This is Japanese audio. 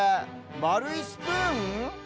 まるいスプーン？